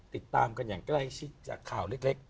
ติดตามกันอย่างใกล้ชิดจากข่าวเล็ก